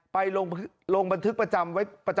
อำเภอโพธาราม